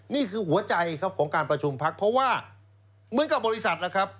นี่คือหัวใจครับของการประชุมพักเพราะว่าเหมือนกับบริษัทล่ะครับ